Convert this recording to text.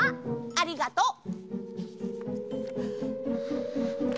ありがとう！